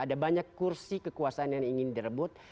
ada banyak kursi kekuasaan yang ingin direbut